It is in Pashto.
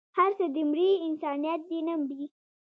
هر څه دې مري انسانيت دې نه مري